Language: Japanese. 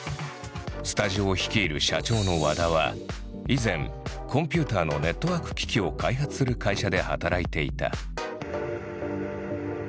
スタジオを率いる社長の和田は以前コンピューターのネットワーク機器を開発する会社で働いていた。